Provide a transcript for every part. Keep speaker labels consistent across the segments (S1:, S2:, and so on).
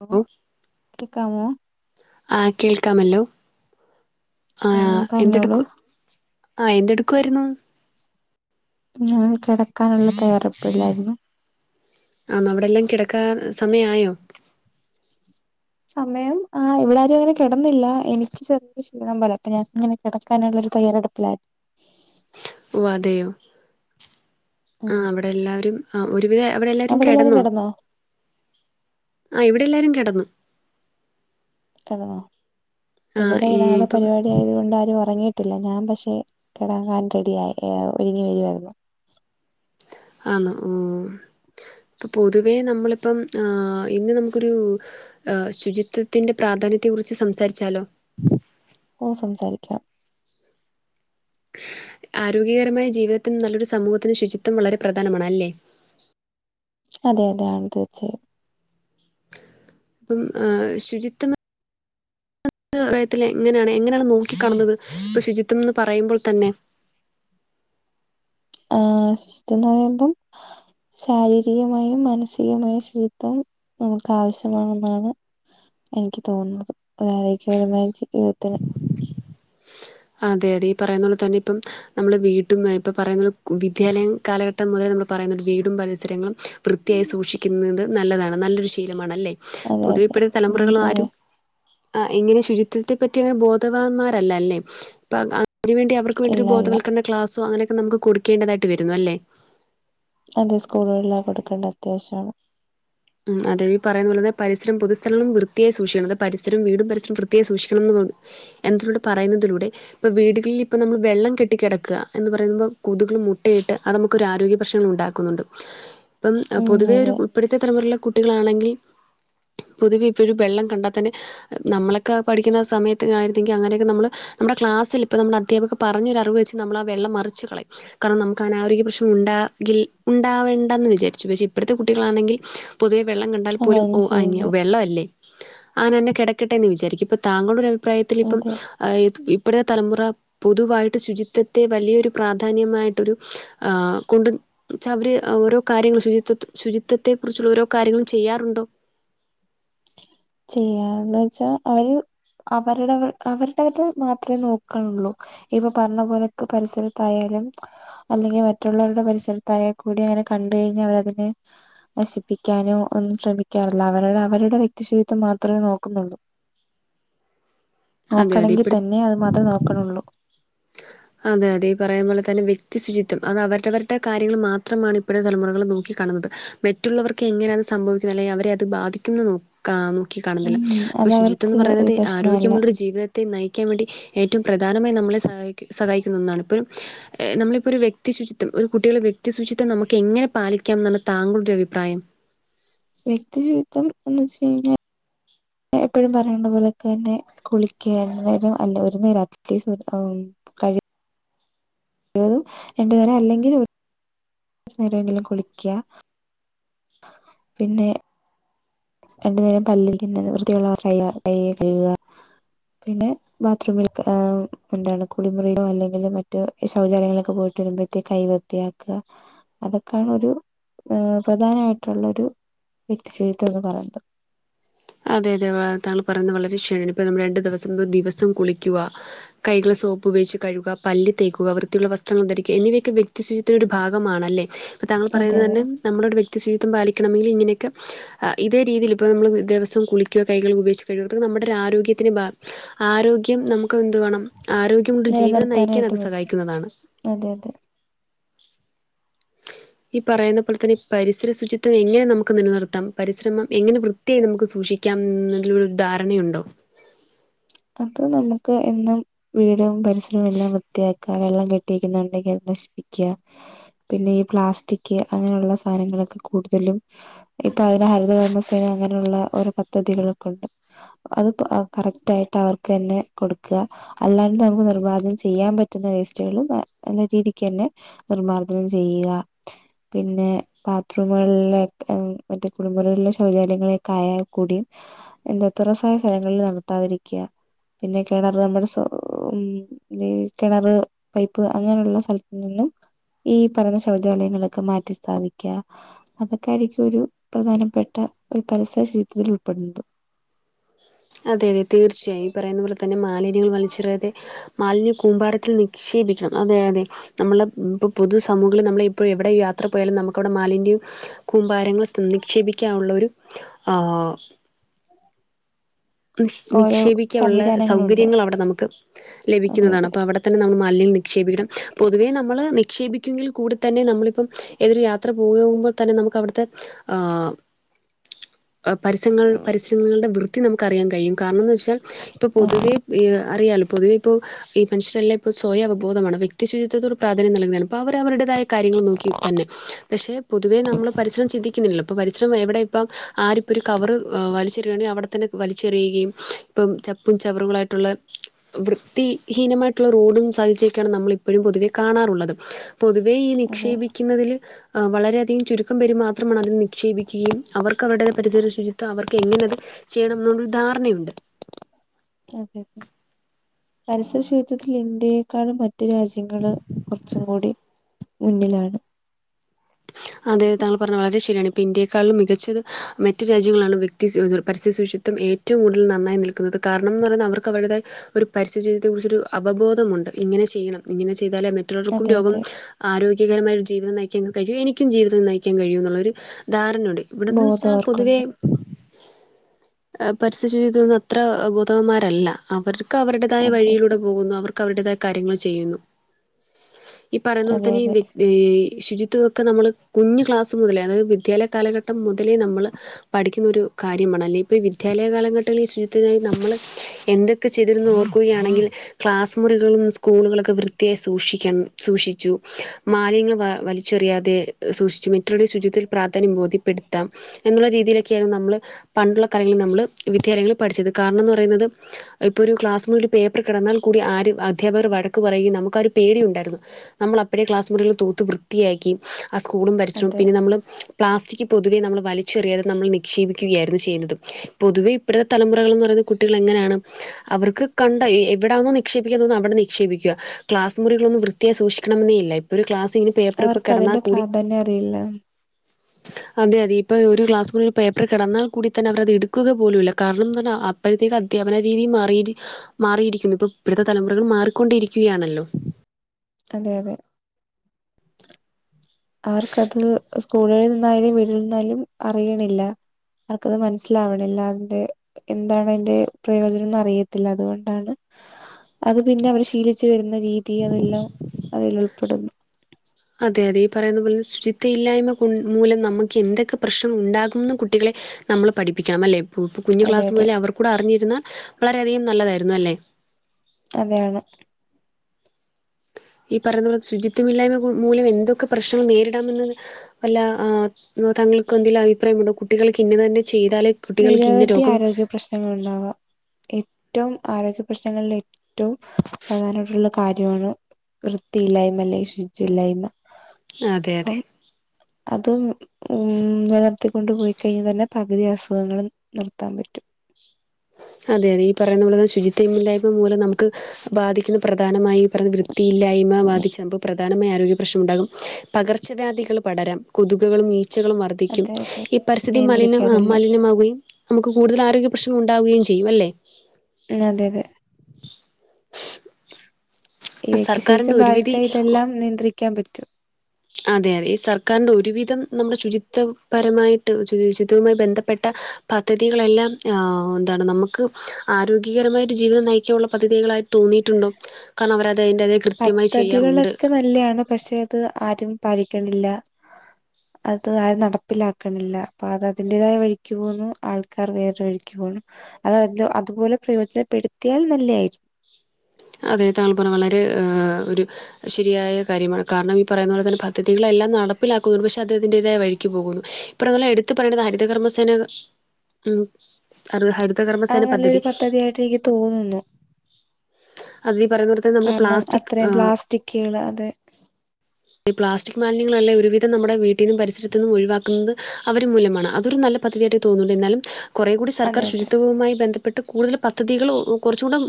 S1: Hello കേക്കാമോ?
S2: ആഹ് കേൾക്കാമല്ലോ
S1: ഉം
S2: ആഹ്
S1: പറഞ്ഞോളൂ
S2: എന്തെടുക്കു ആഹ് എന്തെടുക്കുവായിരുന്നു?
S1: ഞാൻ കെടക്കാനുള്ള തയ്യാറെട്പ്പില്ലായിരുന്നു.
S2: ആന്നോ അവ്ടെല്ലം കെടക്കാൻ സമയായോ?
S1: സമയം ആഹ് ഇവടെ ആരും അങ്ങനെ കെടന്നില്ല. എനിക്ക് ചെറിയ ക്ഷീണം പോലെ അപ്പ ഞാൻ അങ്ങനെ കെടക്കാനുള്ളൊരു തയ്യാറെടുപ്പിലായി.
S2: ഓഹ് അതെയോ
S1: ഉം
S2: ആഹ് അവ്ടെ എല്ലാരും അഹ് ഒരുവിധം അവ്ടെ എല്ലാരും
S1: അവിടെ
S2: കെടന്നോ?
S1: കിടന്നോ
S2: ആഹ് ഇവ്ടെ എല്ലാരും കെടന്ന്.
S1: കെടന്നോ?
S2: ആ
S1: ഇവടെ
S2: ഈ
S1: നാളെ
S2: ഇപ്പം
S1: പരിപാടി ആയത് കൊണ്ട് ആരും ഒറങ്ങി ട്ടില്ല ഞാൻ പക്ഷെ കെടങ്ങാൻ റെഡിയായി ഏഹ് ഒരുങ്ങി വരുവായിരുന്നു.
S2: ആന്നോ? ഓഹ് ഇപ്പോ പൊതുവേ നമ്മള്പ്പം ആഹ് ഇന്ന് നമുക്കൊരു ആഹ് ശുചിത്വത്തിന്റെ പ്രാധാന്യത്തെ കുറിച്ച് സംസാരിച്ചാലോ?
S1: ഓഹ് സംസാരിക്കാം.
S2: ആരോഗ്യകരമായ ജീവിതത്തിനും നല്ലൊരു സമൂഹത്തിന് ശുചിത്വം വളരെ പ്രധാനമാണ്. അല്ലേ?
S1: അതെ അതെയാണ് തീർച്ചയായും.
S2: പ്പം ആഹ് ശുചിത്വം പറയത്തില്ല എങ്ങനാണ് എങ്ങനാണ് നോക്കി കാണുന്നത് ഇപ്പൊ ശുചിത്വം ന്ന് പറയുമ്പോൾ തന്നെ?
S1: ആഹ് ശചിത്വം ന്ന് പറയുമ്പം ശാരീരികമായും മാനസികമായും ശുചിത്വം നമുക്ക് ആവശ്യമാണെന്നാണ്. എനിക്ക് തോന്നുന്നത് [unintelligible] ജീവിതത്തിന്
S2: അതെ അതെ ഈ പറയുന്ന പോലെ തന്നെ ഇപ്പം നമ്മളെ വീട്ട്ന്നും ഇപ്പ പറയുന്നോലെ വിദ്യാലയം കാലഘട്ടം മുതൽ നമ്മള് പറയുന്നുണ്ട് വീടും പരിസരങ്ങളും വൃത്തിയായി സൂക്ഷിക്കുന്നത് നല്ലതാണ് നല്ലൊരു ശീലമാണ്. അല്ലേ?
S1: അതെ
S2: പൊതുവെ
S1: അതെ
S2: ഇപ്പഴത്തെ
S1: ഉം
S2: തലമുറകൾ
S1: അതെ
S2: ആരും ആഹ് ഇങ്ങനെ ശുചിത്വത്തെ പറ്റി അങ്ങനെ ബോധവാന്മാരല്ല അല്ലേ ഇപ്പം അഹ് അ അതിനുവേണ്ടി അവർക്ക് വേണ്ടി
S1: ഇല്ല
S2: ഒരു
S1: ഇല്ല
S2: ബോധവൽക്കര്ണ ക്ലാസോ അങ്ങനെക്കെ നമുക്ക് കൊടുക്കേണ്ടതായിട്ട് വരുന്നു അല്ലേ?
S1: അത് സ്കൂളുകളിലാ കൊടുക്കേണ്ട അത്യാവശ്യാണ്.
S2: ഉം അതെ ഈ പറയുന്ന പോലെത്തന്നെ പരിസരം പൊതുസ്ഥലങ്ങളും വൃത്തിയായി സൂക്ഷിക്കണം. അത് പരിസരം വീടും പരിസരം വ്യത്തിയായി സൂക്ഷിക്കണന്ന് [unintelligible] എന്തിലൂടെ പറയുന്നതിലൂടെ ഇപ്പ വീടുകളിൽ ഇപ്പ നമ്മള് വെള്ളം കെട്ടി കെടക്ക എന്ന് പറയുമ്പോ കൊതുകള് മുട്ടയിട്ട് അത് നമു ക്കൊരാരോഗ്യ പ്രശ്നങ്ങളു ണ്ടാക്കുന്നുണ്ട് ഇപ്പം
S1: ഉം
S2: പൊതുവേ ഒരു
S1: അതെ
S2: [unintelligible] അത്രമുള്ള കുട്ടികളാണെങ്കിൽ പൊതുവെ ഇപ്പെഴും പെള്ളം കണ്ടാ തന്നെ നമ്മളൊക്കെ പഠിക്കുന്ന സമയത്ത് ആയിരുന്നെങ്കി അങ്ങനെക്കെ നമ്മള് നമ്മടെ ക്ലാസ്സില് പ്പ നമ്മടെ അധ്യാപക പർഞ്ഞൊരറിവ് വെച്ച് നമ്മളാ വെള്ളം മറിച്ച് കളയും. കാരണം നമക്കങ്ങനെ ആരോഗ്യ പ്രശ്നുണ്ടാകിൽ ഉണ്ടാവണ്ടന്ന് വിചാര്ച്ചു പക്ഷെ ഇപ്പടത്തെ കുട്ടികളാണെങ്കിൽ പൊതുവെ വെള്ളം കണ്ടാൽ പോലും
S1: അങ്ങനെ
S2: ഓഹ് അയിന്യ
S1: ചെയ്യില്ല
S2: വെള്ളവല്ലേ അങ്ങനെന്നെ കെടക്കട്ടെന്ന് വിചാരിക്കും ഇപ്പൊ താങ്കളുടെ ഒരഭിപ്രായത്തിൽ ഇപ്പം
S1: അതെ
S2: അയ്ത് ഇപ്പടെ തലമുറ പൊതുവായിട്ട് ശുചിത്വത്തെ വലിയൊരു പ്രാധാന്യമായിട്ടൊരു ആ കൊണ്ട് ച്ചവര് അഹ് ഓരോ കാര്യങ്ങളും ശുചിത്വ ശുചിത്വത്തെ കുറിച്ചുള്ള ഓരോ കാര്യങ്ങളും ചെയ്യാറുണ്ടോ?
S1: ചെയ്യാറ്ണ്ടോച്ചാ അവര് അവര്ടെവർ അവരവര്ടെ മാത്രേ നോക്ക്ണൊള്ളൂ. ഇപ്പം പർഞ്ഞ പോലൊക്കെ പരിസരത്തായാലും അല്ലെങ്കി മറ്റുള്ളവരുടെ പരിസരത്തായാ കൂടി അങ്ങനെ കണ്ട് കഴിഞ്ഞാ അവരതിനെ നശിപ്പിക്കാനോ ഒന്നും ശ്രമിക്കാറില്ല അവരവര്ടെ വ്യക്തി ശു ത്വം മാത്രേ നോക്കുന്നുള്ളൂ
S2: അതെ അതെ
S1: നോക്കണെങ്കി
S2: ഇപ്പഴ്
S1: തന്നെ അതു മാത്രേ നോക്കണൊള്ളൂ.
S2: അതെ അതെ ഈ പറയം പോലെ തന്നെ വ്യക്തി ആഹ് അതെ യതെ ഈ പറയും പോലെ തന്നെ വെക്തി ശുചിത്വം അത് അവരവര്ടെ കാര്യങ്ങൾ മാത്രമാണ് ഇപ്പോഴത്തെ തലമുറകള് നോക്കി കാണുന്നത്. മെറ്റുള്ളവർക്കെങ്ങനെ അത് സംഭവിക്കുന്ന അല്ലെ അവരെ അത് ബാധിക്കുന്ന് നോ ക്കാം നോക്കി കാണുന്നില്ല
S1: ഉം
S2: അപ്പൊ
S1: അത്
S2: ശുചിത്വംന്ന്
S1: അവർക്ക്
S2: പറന്നത്
S1: ഒരു പ്രശ്നമല്ല
S2: ആരോഗ്യമുള്ളൊരു ജീവിത ത്തെ നയിക്കാൻ വേണ്ടി ഏറ്റവും പ്രധാനമായി നമ്മളെ സഹായി സഹായിക്കുന്ന ഒന്നാണ് ഇപ്പം എഹ് നമ്മളിപ്പോര് വ്യക്തി ശുചിത്വം ഒരു കുട്ടികളെ വ്യ ക്തി ശുചിത്വം നമക്കെങ്ങനെ പാലിക്കാം ന്നാണ് താങ്കളുടെ അഭിപ്രായം?
S1: വ്യക്തി ശുചിത്വം എന്ന് വെച്ച് കഴിഞ്ഞാ എപ്പഴും പറയണ്ട പോലൊക്കെന്നെ കുളിക്ക രണ്ട് നേരം അല്ലെ ഒര് നേരം അറ്റ്ലിസ്റ്റ് [unintelligible] [unintelligible] രണ്ട് നേരം അല്ലെങ്കില് ഒര് നേരെങ്കിലും കുളിക്ക പിന്നെ രണ്ടു നേരം പല്ലേക്കുന്നത് വൃത്തിയുള്ള വ [unintelligible] കൈ കഴുക പിന്നെ ബാത്റൂമിലൊക്കെ ഏഹ് എന്താണ് കുളിമുറിയിലോ അല്ലെങ്കില് മറ്റു ശൗചാലയങ്ങളൊക്കെ പോയിട്ട് വരുമ്പഴത്തേക്ക് കൈ വ് ത്ത്യാക്ക അതൊക്കാണൊരു ഏഹ് പ്രധാനമായിട്ടുള്ളൊരു വ്യക്തി ശു ചിത്വം ന്ന് പറയ്ണത്.
S2: അതെ യതെ വാ താങ്കള് പറയുന്നത് വളരെ ശെരിയാണ് ഇപ്പോ നമ്മൾ രണ്ട് ദിവസം ദ് ദിവസം കുളിക്കുക. കൈകള് സോപ്പ് ഉപയോഗിച്ച് കഴുക, പല്ല് തേക്കുക, വൃത്തിയുള്ള വസ്ത്രൾങ്ങ ധരിക്കുക, എന്നിവയൊക്കെ വ്യക്തി ശുചി ത്തിനൊരു ഭാഗമാണല്ലേ അപ്പോ താങ്കൾ
S1: അതെ
S2: പറയുന്നത്
S1: അതെ
S2: തന്നെ നമ്മളോരു വ്യക്തി ശുചിത്വം പാലിക്കണമെങ്കിൽ ഇങ്ങനെക്കെ അഹ് ഇതേ രീതിയില് ഇപ്പോ നമ്മൾ ദവസം കുളിക്കുക കൈകൾ ഉപോഗിച്ച് കഴികുക ഇതൊക്കെ നമ്മടെ രാരോഗ്യത്തിന് ബ ആരോ ഗ്യം നമക്കത് എന്ത് വേണം ആരോഗ്യമുണ്ട് ജീവിതം നയിക്കാൻ
S1: നിലനിർത്താനായിട്ട്
S2: അത്
S1: അതെ
S2: സഹായിക്കുന്നതാണ്.
S1: അതെ യതെ
S2: ഈ പറയുന്ന പോലെ തന്നെ ഈ പരിസര ശുചിത്വം എങ്ങനെ നമക്ക് നിലനിർത്താം പരിശ്രമം എങ്ങനെ വൃ ത്തിയായി നമുക്ക് സൂക്ഷിക്കാം ന്നുള്ളൊരു ധാരണയുണ്ടോ?
S1: അത് നമക്ക് എന്നും വീടും പരിസരവും എല്ലാം വൃത്തിയാക്കുക വെള്ളം കെട്ടിക്ക്ന്ന്ണ്ടെങ്കി അത് നശിപ്പിക്ക. പിന്നെ ഈ പ്ലാസ്റ്റിക് അങ്ങനെയുള്ള സാധനങ്ങളൊക്കെ കൂടുതലും ഇപ്പൊ അതിന് ഹരിതകർമ്മസേന അങ്ങനെയുള്ള ഓരോ പദ്ധതികളൊക്കെണ്ട്. അത് പ കറക്റ്റായിട്ട് അവർക്കെന്നെ കൊട്ക്ക. അല്ലാണ്ട് നമുക്ക് നിർമാർജനം ചെയ്യാ പറ്റുന്ന വേസ്റ്റുകൾ നല്ല രീതിക്കന്നെ നിർമ്മാർജനം ചെയ്യുക പിന്നെ ബാത്റൂമുകളിലെ മറ്റേ കുളിമുറികളിലെ ശൗചാലയങ്ങളക്കെ ആയാൽ കൂടി എന്താ തുറസായ സ്ഥലങ്ങളിൽ നടത്താതിരിക്ക പിന്നെ കിണർ നമ്മുടെ സൊ ലീ കിണറ് പൈപ്പ് അങ്ങനെയുള്ള സ്ഥലത് നിന്നും ഈ പറയുന്ന ശൗചാലയങ്ങളൊക്കെ മാറ്റി സ്ഥാപിക്ക അതൊക്കൊയിരിക്കും ഒരു പ്രധാനപ്പെട്ട ഒരു പരിസര ശുചിത്വത്തിൽ ഉൾപ്പെടുന്നത്
S2: അതെ അതെ തീർച്ചയായും ഈ പറയുന്ന പോലെ തന്നെ മാലിന്യങ്ങൾ വലിച്ചെറിയാതെ മാലിന്യ കൂമ്പാരത്തിൽ നിക്ഷേപിക്കണം അതെ അതെ നമ്മള പ്പൊ പൊതു സമൂഹങ്ങളിൽ നമ്മൾ ഇപ്പോ എവിടെ യാത്ര പോയാലും നമുക്കവിടെ മാലിന്യ കൂമ്പാരങ്ങൾ നിക്ഷേപിക്കാനുള്ളൊ ഒരു ആഹ്
S1: ഓരോ
S2: നിക്ഷേപിക്കാനുള്ള
S1: സംവിധാനങ്ങളുണ്ട്
S2: സൗകര്യങ്ങൾ അവിടെ നമുക്ക്
S1: അതെ
S2: ലഭിക്കുന്നതാണ്
S1: അതെ
S2: അപ്പൊ അവിടെ തന്നെ നം മാലിന്യ നിക്ഷേപിക്കണം പൊതുവേ നമ്മൾ നിക്ഷേപിക്കുമെങ്കിൽ കൂടെ തന്നെ നമ്മൾ പ്പം ഏതൊരു യാത്ര പോകുമ്പോൾ തന്നെ നമുക്ക് അവിടുത്തെ ആഹ് പരിസരങ്ങൾ പരിസരങ്ങളുടെ വൃത്തി നമുക്ക് അറിയാൻ കഴിയും കാരണം എന്ന് വെച്ചാൽ ഇപ്പോൾ
S1: അതെ
S2: പൊതുവേ വി അറിയാാലോ പൊതുവെ ഇപ്പോ ഈ മൻഷെര്ല് പ്പോ സ്വയം അവബോധമാണ് വ്യക്തിയചത്വത്തോട് പ്രധാന്ം നൽകതാണ് അപ്പ അവരുടേത കാര്യങ്ങൾ നോക്കി തന്നെ പക്ഷേ പൊതുവേ നമ്മൾ പരിസരം ചിന്തിക്കുന്നില്ല പ്പോ പരിസരം എവിടെ ഇപ്പം ആരിപ്പോം ഒരു കവറ് വലിച്ചറിയാണെ അവിടെത്തന്നെ വലിച്ചെറിയുകയും ഇപ്പം ചപ്പും ചവറുകളായിട്ടുള്ള വൃത്തിഹീനമായിട്ടുള്ള റോഡും സാഹചര്യൊക്കെയാണ് നമ്മൾ ഇപ്പോഴും പൊതുവെ കാണാറുള്ളത് പൊതുവേ ഈ
S1: അതെ
S2: നിക്ഷേപിക്കുന്നതിൽ അഹ് വളരെയധികം ചുരുക്കം പേര് മാത്രമാണ് അതിൽ ക്ഷേപിക്കുകയും അവർക്ക് അവരുടേത് പരിസര ശുചിത്വം അവർക്ക് എങ്ങനെ അത് ചെയ്യണം എന്നുള്ളൊരു ധാരണയുണ്ട്
S1: അതെതെ പരിസര ശുചിത്വത്തിൽ ഇന്ത്യയെക്കാളും മ റ്റ് രാജ്യങ്ങള് കുറച്ചും കൂടി മുന്നിലാണ്
S2: അതായത് താങ്കൾ പറഞ്ഞാൽ വളരെ ശരിയാണ് ഇപ്പോൾ ഇന്ത്യെക്കാളും മികച്ചത് മറ്റു രാജ്യങ്ങളാണ് വ്യക്തി പരിസ്ഥിതി സൂശി ത്തം ഏറ്റവും കൂടുതൽ നന്നായി നിൽക്കുന്നത് കാരണം ന്ന് പറയുന്ന അവർക്ക് അവരു ഒരു പരിസ്ഥി ജീവിതത്തെ കുറിച്ചൊരു അവബോധമുണ്ട് ഇങ്ങനെ ചെയ്യണം ഇങ്ങനെ ചെയ്താലേ മറ്റുള്ളോവർക്കും
S1: അതെ
S2: രോഗം
S1: അതെ
S2: ആരോഗ്യകരമായ ഒരു ജീവിതം നയിക്കാൻ കഴിയും എനിക്കും ജീവിതം നയിക്കാൻ കഴിയുന്നുള്ളരു ധാരണയുണ്ട് ഇവിടെന്ന്
S1: ബോധം
S2: വെച്ചാൽ പൊതുവേ
S1: അവർക്കുണ്ട്
S2: പരിസ്ഥിതി ശുചിത്വത്തിന് അത്ര ബോധവന്മാരല്ല അവർക്ക് അവരുടേതായ
S1: അതെ അതെ
S2: വഴിയിലൂടെ പോകുന്നു അവർക്ക് അവരുടേതായ കാര്യങ്ങൾ ചെയ്യുന്നു ഈ പറയുന്നത് പോൽ
S1: അതെ
S2: തന്നെ
S1: അതെ
S2: ഈ ഈ ശുചിത്വൊക്കെ നമ്മള് കുഞ്ഞു ക്ലാസ് മുതല അതായത് വിദ്യാലയ കാലഘട്ടം മുതലേ നമ്മൾ പഠിക്കുന്നൊരു കാര്യമാണ് അല്ലെ ഇപ്പോ ഈ വിദ്യാലയ കാലഘട്ടങ്ങള ഈ ചുചത്തിനായി നമ്മൾ എന്തൊക്കെ ചെയ്തിരുന്ന് ഓർക്കുകയാണെങ്കിൽ ക്ലാസ് മുറികളും സ്കൂളുകളൊക്കെ വൃത്തിയായി സൂക്ഷിക്കണം സൂക്ഷിച്ചു മാലിന്യ വ വലി ചെറിയാതെ സൂക്ഷിച്ചു മറ്റുള്ളരു ശുചിത്ത്തിൽ പ്രാധാന്യം ബോധ്യപ്പെടുത്താം എന്നുള്ള രീതിയിലൊക്കെയാണ് നമ്മള് പണ്ടുള്ള കാര്യങ്ങളിൽ നമ്മള് വിദ്യാലയങ്ങളിൽ പഠിച്ചത് കാരണം എന്ന് പറയുന്നത് ഇപ്പൊ ഒരു ക്ലാസ്സിൽ ഒരു പേപ്പർ കിടന്നാൽ കൂടി ആര് അധ്യാപകർ വഴക്ക് പറയുകയും നമുക്ക് ആ ഒരു പേടി ഉണ്ടായിരുന്നു. നമ്മള് അപ്പഴെ ക്ലാസ് മുറികള് തൂത്ത് വൃത്തിയാക്കി ആ സ്കൂളും പരിസരവും
S1: അതെ
S2: പിന്നെ നമ്മള് പ്ലാസ്റ്റിക്ക് പൊതുവെ നമ്മള് വലിച്ചെറിയാതെ നമ്മൾ നിക്ഷേപിക്കുകയായിരുന്നു ചെയ്യുന്നതും. പൊതുവെ ഇപ്പഴത്തെ തലമുറകൾ എന്ന് പറയുന്ന കുട്ടികൾ എങ്ങനെയാണ്. അവർക്ക് കണ്ട എവിടെണോ നിക്ഷേപിക്കാൻ തോന്നുന്നു, അവിടെ നിക്ഷേപിക്കുക. ക്ലാസ് മുറികളൊന്നും വൃത്തിയായി സൂക്ഷിക്കണം എന്നെയില്ല ഇപ്പൊ ഒരു ക്ലാസ് തൃ പ്പ
S1: അവർക്ക്
S2: കിടന്നാ
S1: അതിന്റെ
S2: കൂടി.
S1: പ്രാധാന്യം അറിയില്ല
S2: അതെ അതെ ഇപ്പൊ ഒരു ക്ലാസ് മുറിയിൽ ഒരു പേപ്പർ കിടന്നാൽ കൂടി തന്നെ അവരത് എടുക്കുക പോലും ഇല്ല കാരണം എന്താന്ന് പറഞ്ഞ അ പ്പഴത്തേക്ക് അധ്യാപന രീതി മാറിയിരി മാറിയിരിക്കുന്നു. ഇപ്പൊ ഇപ്പോഴത്തെ തലമുറകളും മാറിക്കൊണ്ടിരിക്കുകയാണല്ലോ.
S1: അതെ അതെ അവർക്കത് സ്കൂളിൽ നിന്നായാലും വീട്ടികളിൽ നിന്നായാലും അറിയണില്ല. അവർക്കത് മനസ്സിലാവണില്ല അതിന്റെ എന്താണ് അതിന്റെ പ്രയോജനം ഒന്നും അറിയത്തില്ല. അതുകൊണ്ടാണ് അത് പിന്നെ അവര് ശീലി ച്ചു വരുന്ന രീതി അതെല്ലാം അതിലുൾപ്പെടുന്നു.
S2: അതെ അതെ ഈ പറയുന്നത് പോലെ ശുചിത്വ ഇല്ലായ്മ കൊ മൂലം നമുക്ക് എന്തൊക്കെ പ്രശ്നം ഉണ്ടാകുമെന്ന് കുട്ടികളെ നമ്മള് പഠിപ്പിക്കണം അല്ലേ. പു ഇപ്പ കുഞ്ഞു
S1: അതെ
S2: ക്ലാസ്
S1: അതെ
S2: മുതലേ അവർക്കൂടെ അറിഞ്ഞിരുന്നാൽ വളരെയധികം നല്ലതായിരുന്നു അല്ലേ.
S1: അതെയാണ്.
S2: ഈ പറയണത് പോലെ ശുചിത്വമില്ലായ്മ കു മൂലം എന്തൊക്കെ പ്രശ്നം നേരിടാമെന്നത്. വല്ല ആഹ് താങ്കൾക്ക് എന്തേലും അഭിപ്രായമുണ്ടോ കുട്ടികൾക്ക് ഇന്നത് തന്നെ ചെയ്താലേ കുട്ടികൾക്ക് ഇന്ന
S1: നിരവധി
S2: രോഗം
S1: ആരോഗ്യ പ്രശ്നങ്ങളിണ്ടാവാം ഏറ്റവും ആരോഗ്യ പ്രശ്നങ്ങളിൽ ഏറ്റവും പ്രധാനപ്പെട്ടുള്ള കാര്യമാണ് വൃത്തിയില്ലായ്മ അല്ലെങ്കിൽ ശുചിത്വം ഇല്ലായ്മ.
S2: അതെ അതെ
S1: അതും ഉം നിലനിർത്തിക്കൊണ്ട് പോയി കഴിഞ്ഞ് തന്നെ പകുതി അസുഖങ്ങളും നിർത്താൻ പറ്റും.
S2: അതെ അതെ ഈ പറയുന്നതുളള പോലെ ശുചിത്വമില്ലായ്മ മൂലം നമുക്ക് ബാധിക്കുന്ന പ്രധാനമായും പറഞ്ഞ് വൃത്തിയില്ലായ്മ ബാധിച്ച് [unintelligible] പ്ര ധാനമായി ആരോഗ്യ പ്രശ്നം ഉണ്ടാകും. പകർച്ചവ്യാധികള് പടരാം കൊതുകുകളും ഈച്ചകളും വർ ദ്ധിക്കും
S1: അതെ അതെ
S2: ഈ പരിസ്ഥിതി മലിന ആഹ്
S1: നിയന്ത്രിക്കാതെല്ലാം
S2: മലിനമാവുകയും. നമുക്ക് കൂടുതൽ ആരോഗ്യ പ്രശ്നം ഉണ്ടാവുകയും ചെയ്യും അല്ലേ
S1: അതെ അതെ ഈ വ്യക്തി ശുചിത്വം
S2: സർക്കാരിൻ്റെ
S1: പാലിച്ചാ
S2: ഒരുവിധി
S1: ഇതെല്ലാം നിയന്ത്രിക്കാൻ പറ്റും.
S2: അതെ അതെ ഈ സർക്കാരിന്റെ ഒരുവിധം നമ്മുടെ ശുചിത്വപരമായിട്ട് ശുചിത്വമായി ബന്ധപ്പെട്ട പദ്ധതികളെല്ലാം ആഹ് എന്താണ് നമുക്ക്. ആരോഗീകരമായിട്ട് ജീവിതം നയിക്കാനുള്ള പദ്ധതികളായിട്ട് തോന്നിയിട്ടുണ്ടോ. കാരണം അവരത് അതിൻ്റത് കൃത്യമായി ചെയ്യാറുണ്ട്.
S1: കല്ല്യാണം. പക്ഷെ അത് ആരും പാലിക്കണില്ല. അത് ആരും നടപ്പിലാക്കണില്ല. അപ്പൊ അത് അതിന്റേതായ വഴിക്ക് പോകുന്നു. ആൾക്കാർ വേറൊരു വഴിക്ക് പോകുന്നു. അത് അത്‌ അതുപോലെ പ്രയോജനപ്പെടുത്തിയാൽ നല്ലയായിരി
S2: അതെ താങ്കൾ പറയുന്നത് വളരെ ആഹ് ഒരു ശരിയായ കാര്യമാണ് കാരണം ഈ പറയുന്ന പോലെ തന്നെ പദ്ധതികളെല്ലാം നടപ്പിലാക്കുന്നുണ്ട്. പക്ഷേ അത് അതിന്റേതായ വഴിക്ക് പോകുന്നു. ഇപ്പ ഇവിടങ്ങളിൽ എടുത്തു പറയേണ്ടത് ഹരിതകർമ്മസേന ഉം [unintelligible]
S1: അത്
S2: ഹരിതകർമ്മസന പദ്ധതി.
S1: നല്ലൊരു പദ്ധതിയായിട്ട് എനിക്ക് തോന്നുന്നു.
S2: അത് ഈ പറയുന്ന പോലെ തന്നെ നമ്മുടെ
S1: കാരണം
S2: പ്ലാസ്റ്റിക്
S1: അത്രയും
S2: ഏഹ്
S1: പ്ലാസ്റ്റിക്കുകള് അത്
S2: പ്ലാസ്റ്റിക് മാലിന്യങ്ങളെല്ലാം ഒരുവിധം നമ്മുടെ വീട്ടീന്നും പരിസരത്ത് നിന്നും ഒഴിവാക്കുന്നത് അവര് മൂലമാണ് അതൊരു നല്ല പദ്ധതിയായിട്ട് തോന്നൂല്ല എന്നാലും. കുറേ കൂടി സർക്കാർ
S1: അതെ അതെ
S2: ശുചിത്വവുമായി ബന്ധപ്പെട്ട് കൂടുതൽ പദ്ധതികൾ കുറച്ചൂടെ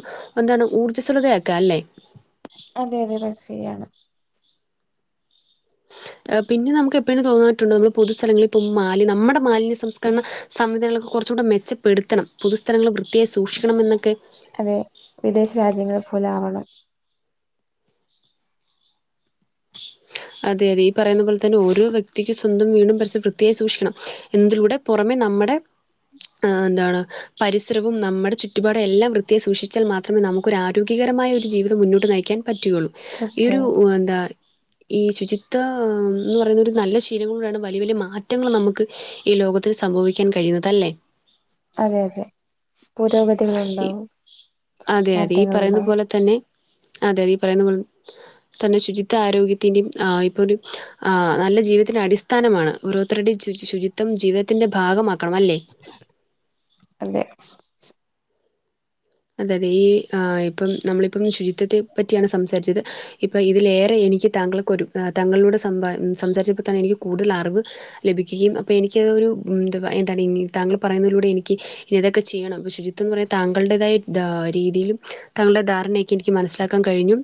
S2: എന്താണ് ഊർജ്ജസ്വലതയാക്കാ അല്ലേ
S1: അതെ അതെ [unintelligible]
S2: ഏഹ് പിന്നെ നമ്മക്ക് എപ്പഴേും തോന്നാറ്റുണ്ട് നമ്മൾ പൊതുസ്ഥലങ്ങളിൽ പോകുമ്പം മാലി നമ്മടെ മാലിന്യ
S1: ഉം
S2: സംസ്കരണം സംവിധാനങ്ങൾക്കെ കൊറച്ചും കൂടെ മെച്ചപ്പെടുത്തണം പൊതുസ്ഥലങ്ങൾ വൃത്തിയായി സൂക്ഷിക്കണം എന്നൊക്കെ
S1: അതെ വിദേശ രാജ്യങ്ങളെ പോലെ ആവണം
S2: അതെ അതെ ഈ പറയുന്ന പോലെ തന്നെ ഓരോ വ്യക്തിക്ക് സ്വന്തം വീടും പരിസരവും വൃത്തിയായി സൂക്ഷിക്കണം എന്തിലൂടെ പൊറമെ നമ്മടെ ഏഹ് എന്താണ് പരിസരവും നമ്മടെ ചുറ്റുപാടും എല്ലാം വൃത്തിയായി സൂക്ഷിച്ചാൽ മാത്രമേ നമുക്ക് ഒരു ആരോഗ്യകരമായ ഒരു ജീവിതം മുന്നോട്ട് നയിക്ക് ക്കാൻ പറ്റുകയുള്ളൂ ഈ ഒരു
S1: തീർച്ചയായും
S2: എന്താ ഈ ശുചിത്വാ എന്ന് പറയുന്ന ഒരു നല്ല ശീലങ്ങളൂടെയാണ് വലിയ വലിയ മാറ്റങ്ങൾ നമക്ക് ഈ ലോകത്തിൽ സംഭവിക്കാൻ കഴിയുന്നതല്ലേ
S1: അതെ അതെ പുരോഗതികളുണ്ടാവും
S2: അതെ അതെ ഈ പറയുന്ന
S1: മാറ്റങ്ങളുണ്ടാവും
S2: പോലെ തന്നെ അതെ ഈ പറയുന്ന പോലെ തന്നെ ശുചിത്വ ആരോഗ്യത്തിൻ്റെയും ആഹ് ഇപ്പ ഒരു ആഹ് നല്ല ജീവിതത്തിന്റെ അടിസ്ഥാനമാണ് ഓരോരുത്തരുടെയും ചു ശുചിത്വം ജീവിതത്തിന്റെ ഭാഗമാക്കണം അല്ലേ
S1: അതെ
S2: അതെ അതെ ഈ ആഹ് ഇപ്പം നമ്മളിപ്പം ശുചിത്വത്തെ പറ്റിയാണ് സംസാരിച്ചത് ഇപ്പൊ ഇതിലേറെ എനിക്ക് താങ്കൾക്ക് ഒരു ആഹ് താങ്കളിലൂടെ സംഭാ സംസാരിച്ചപ്പോ തന്നെ എനിക്ക് കൂടുതൽ അറിവ് ലഭിക്കുകയും അപ്പ എനിക്കതൊരു ഉം [unintelligible] എന്താണ് താങ്കൾ പറയുന്നതിലൂടെ എനിക്ക് ഇനി ഇതൊക്കെ ചെയ്യണം ശുചിത്വന്ന് പറയുന്ന താങ്കളടേതായ താ രീതിയിലും താങ്കളുടെ ധാരണയെക്കെ എനിക്ക് മനസ്സിലാക്കാൻ കഴിഞ്ഞു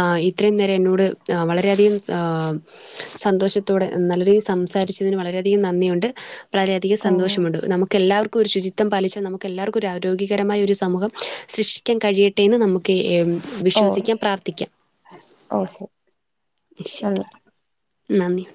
S2: ആഹ് ഇത്രയും നേരം എന്നോട് വളരെയധികം ആഹ് സന്തോഷത്തോടെ നല്ല രീതി സംസാരിച്ചതിന് വളരെയധികം നന്ദിയുണ്ട് വളരെയധികം
S1: ഓ
S2: സന്തോഷമുണ്ട് നമുക്ക് എല്ലാവർക്കും ഒരു ശുചിത്വം പാലിച്ചാൽ നമുക്ക് എല്ലാവർക്കും ആരോഗ്യപരമായ ഒരു സമൂഹം സൃഷ്ടിക്കാൻ കഴിയട്ടെന്ന് നമ്മക്ക്
S1: ഓ
S2: വിശ്വസിക്കാം പ്രാർത്ഥിക്കാം
S1: ഓ നന്ദി
S2: നന്ദി